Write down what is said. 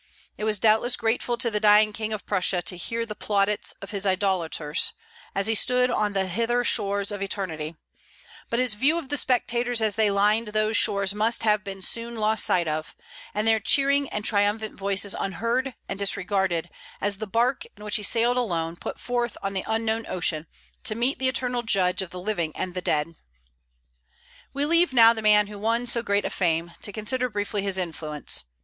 It was doubtless grateful to the dying King of Prussia to hear the plaudits of his idolaters, as he stood on the hither shores of eternity; but his view of the spectators as they lined those shores must have been soon lost sight of, and their cheering and triumphant voices unheard and disregarded, as the bark, in which he sailed alone, put forth on the unknown ocean, to meet the Eternal Judge of the living and the dead. We leave now the man who won so great a fame, to consider briefly his influence.